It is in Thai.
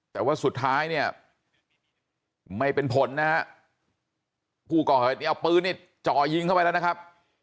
แต่ว่าสุดท้ายเนี่ยไม่เป็นผลนะฮะผู้ก่อเหตุเอาปืนนี่จ่อยิงเข้าไปแล้วนะครับ